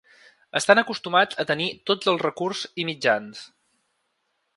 Estan acostumats a tenir tots els recurs i mitjans.